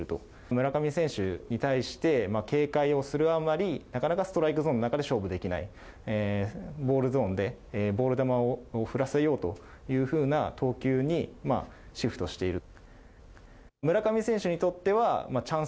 村上選手に対して、警戒をするあまり、なかなかストライクゾーンの中で勝負できない、ボールゾーンでボール球を振らせようというふうな投球にシフトしている。